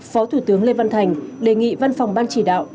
phó thủ tướng lê văn thành đề nghị văn phòng ban chỉ đạo